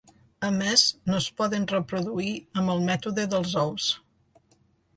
A més, no es poden reproduir amb el mètode dels ous.